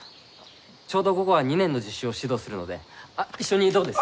ちょうど午後は２年の実習を指導するのであ一緒にどうです？